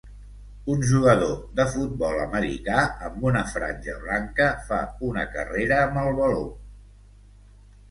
un jugador de futbol americà amb una franja blanca fa una carrera amb el baló.